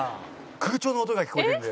空調の音が聞こえるんだよ。